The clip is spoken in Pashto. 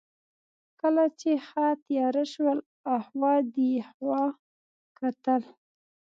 کله چې ښه تېاره شول، اخوا دېخوا کتل.